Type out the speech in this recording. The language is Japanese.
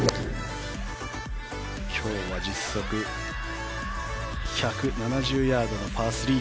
今日は実測１７０ヤードのパー３。